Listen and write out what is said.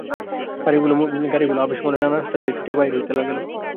বাড়িমুখো গাড়িগুলো আপিসমহলের নানা রাস্তা দিয়া ছুটিয়া বাহির হইতে লাগিল ।